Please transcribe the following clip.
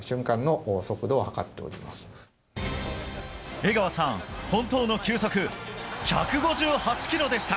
江川さん、本当の球速１５８キロでした。